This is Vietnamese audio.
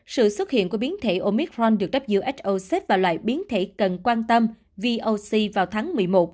sự xuất hiện của biến thể omicron được who xếp vào loại biến thể cần quan tâm voc vào tháng một mươi một